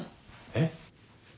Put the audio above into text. えっ？